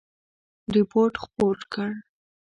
رپوټ خپور کړ.